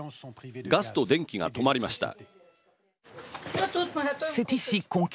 ガスと電気が止まりました。